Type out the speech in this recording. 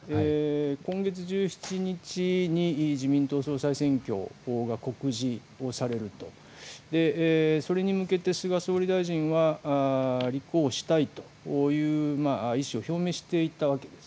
今月１７日に自民党総裁選挙が告示をされると、それに向けて菅総理大臣は立候補したいという意思を表明したわけです。